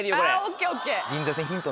ＯＫＯＫ。